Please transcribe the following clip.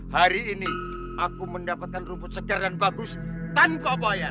hari ini aku mendapatkan rumput segar dan bagus tanpa bayar